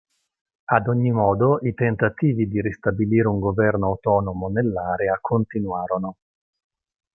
Ad ogni modo i tentativi di ristabilire un governo autonomo nell'area continuarono.